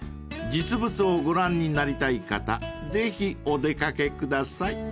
［実物をご覧になりたい方ぜひお出掛けください］